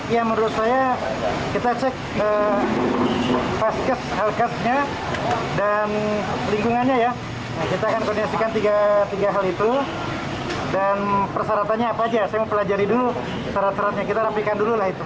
ya menurut saya kita cek vaskes helkesnya dan lingkungannya ya kita akan kondisikan tiga hal itu dan persyaratannya apa aja saya mempelajari dulu syarat syaratnya kita rapikan dulu lah itu